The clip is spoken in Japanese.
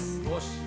よし。